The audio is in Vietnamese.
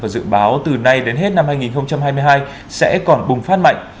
và dự báo từ nay đến hết năm hai nghìn hai mươi hai sẽ còn bùng phát mạnh